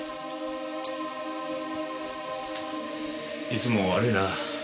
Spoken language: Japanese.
いつも悪いな。